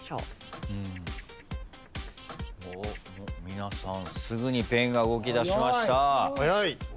皆さんすぐにペンが動きだしました。